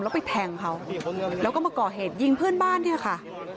แล้วไปแทงเขาแล้วก็มาก่อเหตุยิงเพื่อนบ้านเนี่ยค่ะ